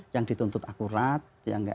yang dituntut akurat yang gak efisien gitu kan ya